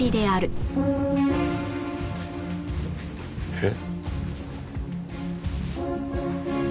えっ。